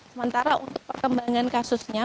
sementara untuk perkembangan kasusnya